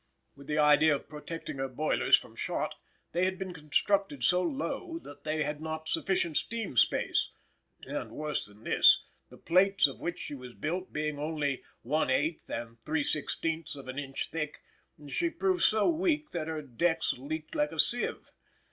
With the idea of protecting her boilers from shot, they had been constructed so low that they had not sufficient steam space, and, worse than this, the plates of which she was built, being only an 1/8 and 3/16 of an inch thick, she proved so weak that her decks leaked like a sieve.